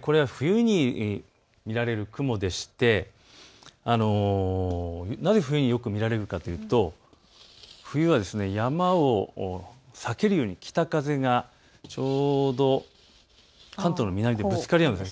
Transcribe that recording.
これは、冬に見られる雲でしてなぜ冬によく見られるかというと冬は、山を避けるように北風がちょうど関東の南でぶつかり合うんです。